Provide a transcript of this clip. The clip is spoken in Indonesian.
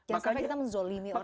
jangan sampai kita menzolimi orang